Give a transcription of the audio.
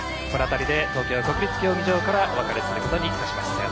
この辺りで東京・国立競技場からお別れすることにいたします。